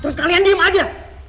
terus kalian diem aja